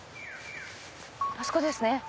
あそこですね！